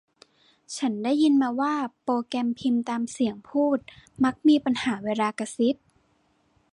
ฉันได้ยินมาว่าโปรแกรมพิมพ์ตามเสียงพูดมักมีปัญหาเวลากระซิบ